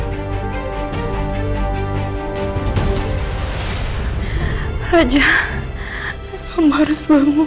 raja kamu harus bangun